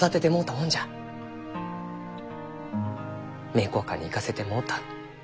・名教館に行かせてもろうた。